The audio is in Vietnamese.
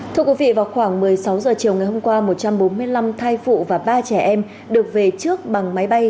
thưa quý vị vào khoảng một mươi sáu h chiều ngày hôm qua một trăm bốn mươi năm thai phụ và ba trẻ em được về trước bằng máy bay